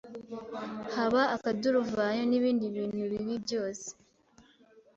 haba akaduruvayo n ibindi bintu bibi byose